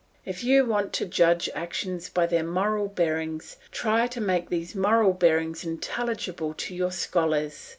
If you want to judge actions by their moral bearings, try to make these moral bearings intelligible to your scholars.